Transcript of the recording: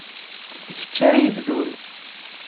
D kečč ara yebdun.